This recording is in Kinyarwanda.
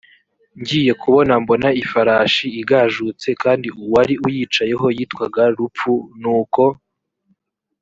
ngiye kubona mbona ifarashi igajutse kandi uwari uyicayeho yitwaga rupfu nuko